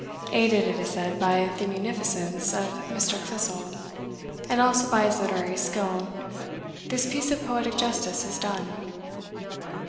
Aided, it is said, by the munificence of Mr. Clissold, and also by his literary skill, this piece of poetic justice is done.